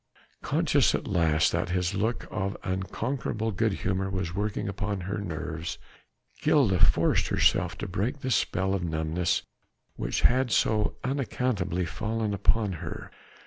Conscious at last that his look of unconquerable good humour was working upon her nerves, Gilda forced herself to break the spell of numbness which had so unaccountably fallen upon her.